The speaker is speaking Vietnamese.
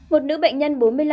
một nữ bệnh nhân bốn mươi năm tuổi